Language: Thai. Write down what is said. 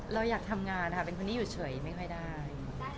เราอยากทำงานค่ะเป็นคนที่อยู่เฉยไม่ค่อยได้